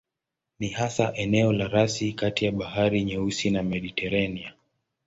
Ni hasa eneo la rasi kati ya Bahari Nyeusi na Mediteranea.